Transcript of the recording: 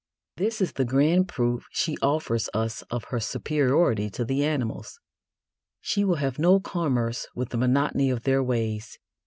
This is the grand proof she offers us of her superiority to the animals. She will have no commerce with the monotony of their ways.